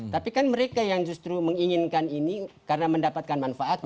tapi kan mereka yang justru menginginkan ini karena mendapatkan manfaatnya